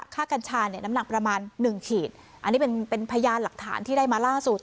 กัญชาเนี่ยน้ำหนักประมาณหนึ่งขีดอันนี้เป็นเป็นพยานหลักฐานที่ได้มาล่าสุด